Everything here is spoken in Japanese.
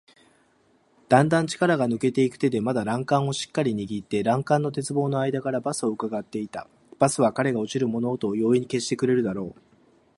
だんだん力が抜けていく手でまだ欄干をしっかりにぎって、欄干の鉄棒のあいだからバスをうかがっていた。バスは彼が落ちる物音を容易に消してくれるだろう。